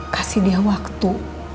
kasih dia waktu